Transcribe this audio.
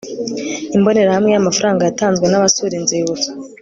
imbonerahamwe ya amafaranga yatanzwe n abasura inzibutso